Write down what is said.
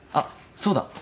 そうだ。